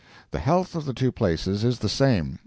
The health of the two places is the same.